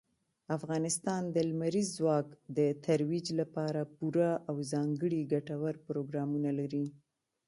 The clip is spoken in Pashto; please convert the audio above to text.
افغانستان د لمریز ځواک د ترویج لپاره پوره او ځانګړي ګټور پروګرامونه لري.